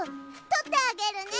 とってあげるね。